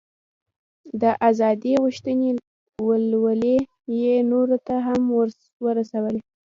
د ازادۍ غوښتنې ولولې یې نورو ته هم ور ورسولې.